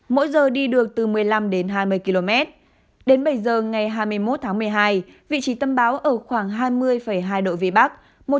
mỗi giờ đi được từ một mươi năm đến hai mươi km đến bảy giờ ngày hai mươi một tháng một mươi hai vị trí tâm bão ở khoảng hai mươi hai độ vĩ bắc